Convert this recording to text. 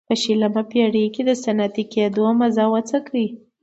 په شلمه پېړۍ کې د صنعتي کېدو مزه وڅکي.